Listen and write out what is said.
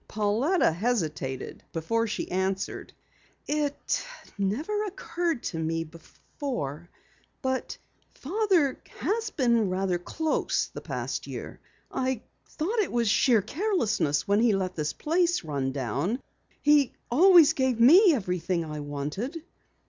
Pauletta hesitated before she answered. "It never occurred to me before, but Father has been rather close the past year. I thought it was sheer carelessness when he let this place run down. He always gave me everything I wanted."